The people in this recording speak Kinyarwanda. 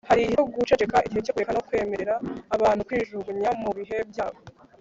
hari igihe cyo guceceka. igihe cyo kureka no kwemerera abantu kwijugunya mubihe byabo